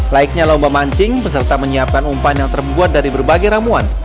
laiknya lomba mancing peserta menyiapkan umpan yang terbuat dari berbagai ramuan